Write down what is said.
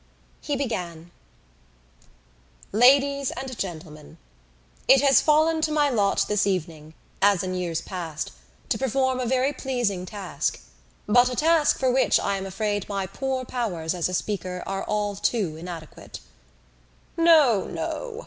He began: "Ladies and Gentlemen, "It has fallen to my lot this evening, as in years past, to perform a very pleasing task but a task for which I am afraid my poor powers as a speaker are all too inadequate." "No, no!"